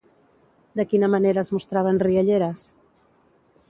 De quina manera es mostraven rialleres?